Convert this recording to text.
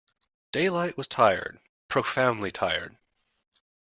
Daylight was tired, profoundly tired.